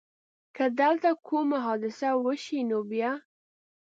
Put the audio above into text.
که دلته کومه حادثه وشي نو بیا؟